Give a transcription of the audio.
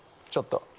ちょっと。